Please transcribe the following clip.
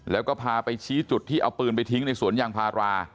แล้วก็พาไปชี้จุดที่เอาปืนไปทิ้งในสวนยางพารา